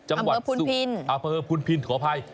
อำเภาพุนพินขออภัย